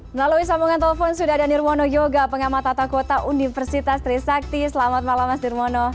melalui sambungan telepon sudah ada nirwono yoga pengamat tata kota universitas trisakti selamat malam mas nirmono